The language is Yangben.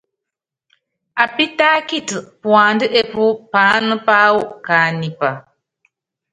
Apítákiti puandá epú paáná páwɔ kaánipa.